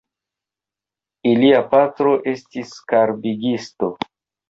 Ilia patro estis karbigisto.